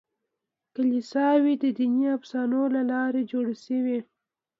کلیساوې د دیني افسانو له لارې جوړې شوې.